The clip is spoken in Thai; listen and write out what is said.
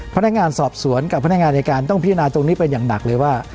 พนักงานสอบสวนกับพนักงานในการต้องพิจารณาตรงนี้เป็นอย่างหนักเลยว่า